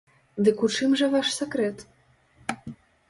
Дык у чым жа ваш сакрэт?